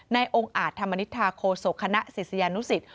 องค์อาจธรรมนิษฐาโคศกคณะศิษยานุสิต